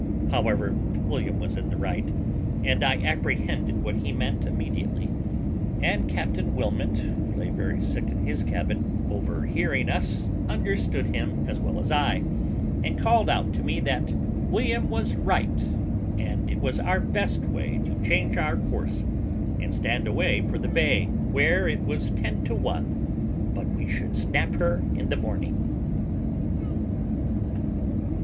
However, William was in the right, and I apprehended what he meant immediately; and Captain Wilmot, who lay very sick in his cabin, overhearing us, understood him as well as I, and called out to me that William was right, and it was our best way to change our course, and stand away for the bay, where it was ten to one but we should snap her in the morning.